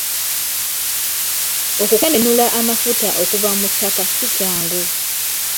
Okukenenula amafuta okuva mu ttaka si kyangu.